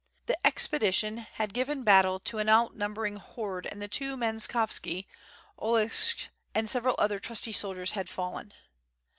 The expedition had given battle to an outnumbering horde and the two Mankovski, Oleksich and several other trusty soldiers had fallen.